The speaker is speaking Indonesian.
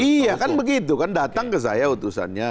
iya kan begitu kan datang ke saya utusannya